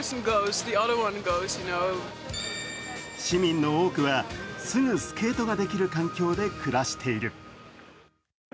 市民の多くはすぐスケートができる環境で暮らしている。